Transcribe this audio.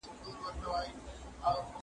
که ډاکټر نښې وپېژني چاره یې کولای سي.